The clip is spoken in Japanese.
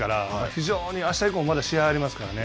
非常に、あした以降、まだ試合がありますからね。